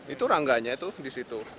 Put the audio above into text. itu rangganya itu di situ